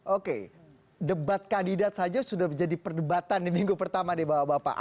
oke debat kandidat saja sudah menjadi perdebatan di minggu pertama nih bapak bapak